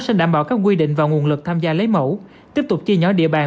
sẽ đảm bảo các quy định và nguồn lực tham gia lấy mẫu tiếp tục chia nhỏ địa bàn